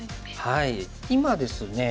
今ですね